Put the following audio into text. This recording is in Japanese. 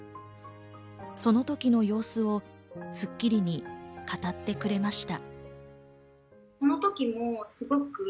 その時の様子を『スッキリ』に語ってくれました。